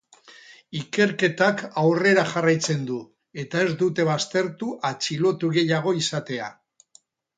Ikerketak aurrera jarraitzen du eta ez dute baztertu atxilotu gehiago izatea.